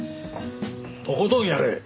とことんやれ。